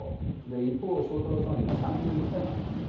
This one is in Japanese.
一方、翔太郎さんは今、３２歳なんですね。